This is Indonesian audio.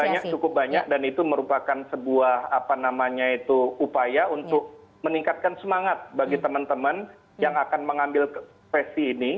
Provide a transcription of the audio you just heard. ya cukup banyak cukup banyak dan itu merupakan sebuah apa namanya itu upaya untuk meningkatkan semangat bagi teman teman yang akan mengambil profesi ini